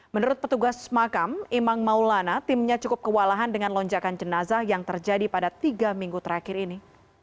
menurut petugas makam imang maulana timnya cukup kewalahan dengan lonjakan jenazah yang terjadi pada tiga minggu terakhir ini